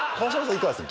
いかがですか？